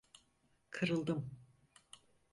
Kırıldım…